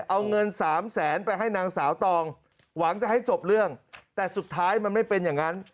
เอาเงินสามแสนไปให้นางสาวตองหวังจะให้จบเรื่องแต่สุดท้ายมันไม่เป็นอย่างนั้น